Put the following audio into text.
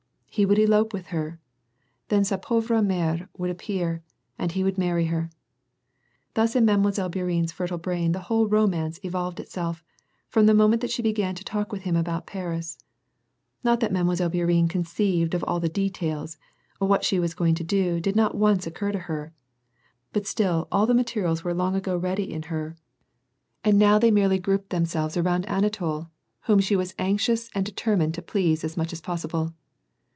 He would eloy)e with her, tlien sa pauvre mere would appear, and he would marry her. Thus in ]\Ille. Bourienne\s fertile brain the whole romance evolved itself, from the moment that she began to talk with him about Paris. Not that Mile. Bourienne conceived of all the details — what she was going to do, did not once occur to her — but still all the materials were long ago ready in he.', and now .J HAH AND pi: ACE, 27S they merely grouped themstlves around Anatol, whom she was anxious and determined to please as much as possible.